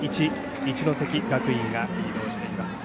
一関学院がリードしています。